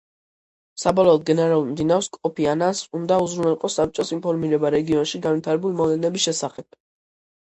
საბოლოოდ, გენერალურ მდივანს, კოფი ანანს უნდა უზრუნველყო, საბჭოს ინფორმირება რეგიონში განვითარებულ მოვლენების შესახებ.